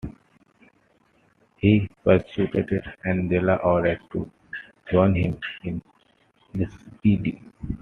He persuaded Angela Orred to join him in this idyll.